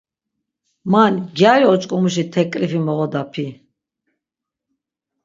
Man gyari oç̆k̆omuşi tek̆lifi moğodapi?